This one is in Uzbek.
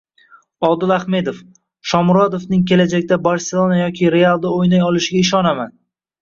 Odil Ahmedov: “Shomurodovning kelajakda “Barselona” yoki “Real”da o‘ynay olishiga ishonaman”